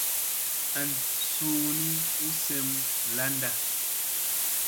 An suu ni u sem landa.